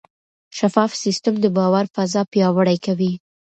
شفاف سیستم د باور فضا پیاوړې کوي.